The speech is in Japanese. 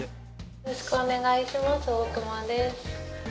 よろしくお願いします、大熊です。